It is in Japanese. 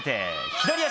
左足！